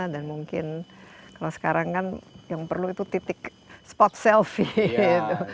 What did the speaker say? dan mungkin kalau sekarang kan yang perlu itu titik spot selfie